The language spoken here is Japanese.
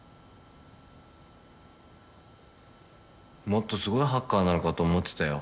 もっとすごいハッカーなのかと思ってたよ。